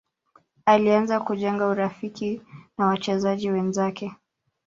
alianza kujenga urafiki na wachezaji wenzake